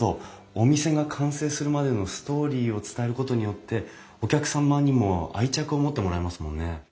お店が完成するまでのストーリーを伝えることによってお客様にも愛着を持ってもらえますもんね。